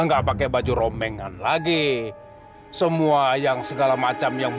sampai jumpa di video selanjutnya